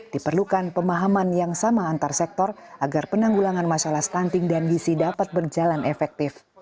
diperlukan pemahaman yang sama antar sektor agar penanggulangan masalah stunting dan gisi dapat berjalan efektif